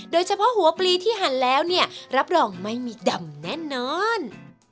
โดยเฉพาะหัวปลีที่หั่นแล้วเนี่ยรับรองไม่มีดำแน่นอน